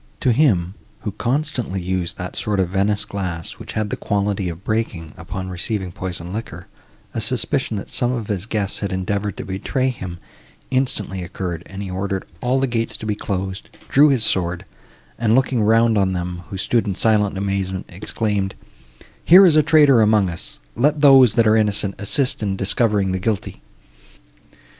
To him, who constantly used that sort of Venice glass, which had the quality of breaking, upon receiving poisoned liquor, a suspicion, that some of his guests had endeavoured to betray him, instantly occurred, and he ordered all the gates to be closed, drew his sword, and, looking round on them, who stood in silent amazement, exclaimed, "Here is a traitor among us; let those, that are innocent, assist in discovering the guilty."